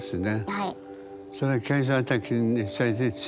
はい。